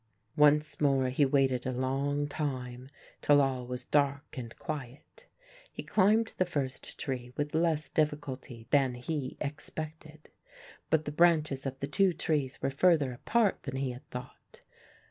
Once more he waited a long time till all was dark and quiet. He climbed the first tree with less difficulty than he expected, but the branches of the two trees were further apart than he had thought.